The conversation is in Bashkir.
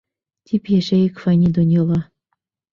Тип йәшәйек фани донъяла.